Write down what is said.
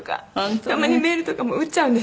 たまにメールとかも打っちゃうんですよね。